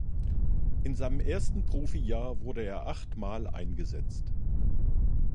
In seinem ersten Profijahr wurde er achtmal eingesetzt.